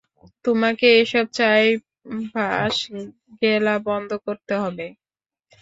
তোমাকে এসব ছাইপাশ গেলা বন্ধ করতে হবে!